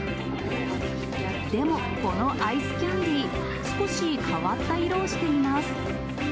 でも、このアイスキャンディー、少し変わった色をしています。